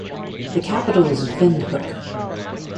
The capital is Windhoek.